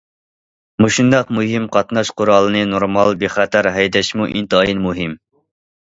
مۇشۇنداق مۇھىم قاتناش قورالىنى نورمال، بىخەتەر ھەيدەشمۇ ئىنتايىن مۇھىم.